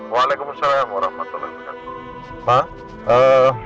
waalaikumsalam warahmatullahi wabarakatuh